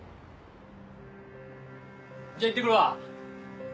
じゃあ行ってくるわ。